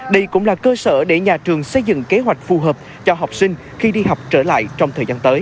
đây cũng là cơ sở để nhà trường xây dựng kế hoạch phù hợp cho học sinh khi đi học trở lại trong thời gian tới